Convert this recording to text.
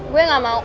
gue gak mau